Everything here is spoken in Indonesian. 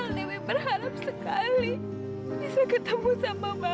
kenapa dewi berharap sekali bisa ketemu sama bapak